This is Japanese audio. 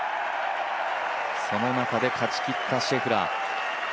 その中で勝ちきったシェフラー。